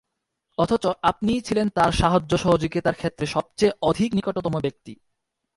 অথচ আপনিই ছিলেন তাঁর সাহায্য-সহযোগিতার ক্ষেত্রে সবচেয়ে অধিক নিকটতম ব্যক্তি!